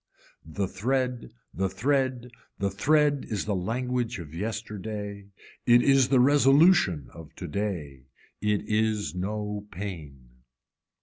The thread, the thread, the thread is the language of yesterday, it is the resolution of today, it is no pain.